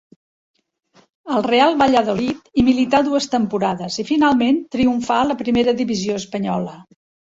Al Real Valladolid hi milità dues temporades i finalment triomfà a la Primera divisió espanyola.